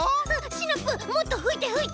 シナプーもっとふいてふいて！